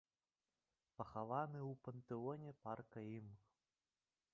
Пахаваны ў пантэоне парка ім.